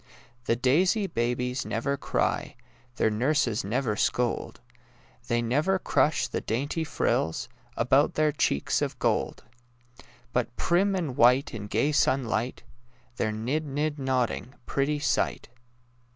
The daisy babies never cry, The nurses never scold; They never crush the dainty frills About their cheeks of gold; But prim and white in gay sunlight They're nid— nid nodding— pretty sight!